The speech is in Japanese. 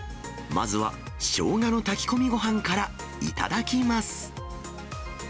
まずはしょうがの炊き込みごはんから頂きます。